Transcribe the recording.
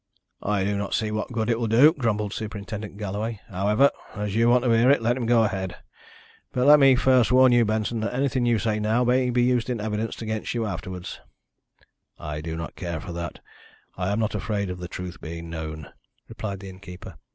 "I do not see what good it will do," grumbled Superintendent Galloway. "However, as you want to hear it, let him go ahead. But let me first warn you, Benson, that anything you say now may be used in evidence against you afterwards." "I do not care for that I am not afraid of the truth being known," replied the innkeeper.